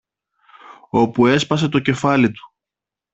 όπου έσπασε το κεφάλι του.